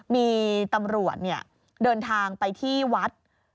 มีตำรวจเดินทางไปที่วัด